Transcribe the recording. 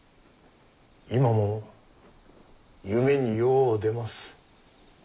今も夢によう出ます。